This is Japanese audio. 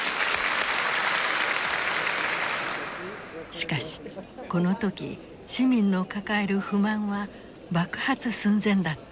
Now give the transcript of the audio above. しかしこの時市民の抱える不満は爆発寸前だった。